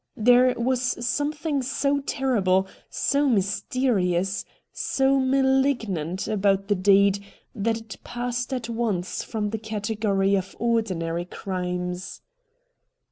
There was something so terrible, so mysterious, so mahgnant about A NINE DAYS' WONDER 199 the deed that it passed at once from the category of ordinary crimes.